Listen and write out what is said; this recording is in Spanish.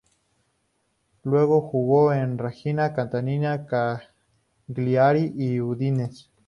Luego jugó en Reggiana, Catania, Cagliari y Udinese.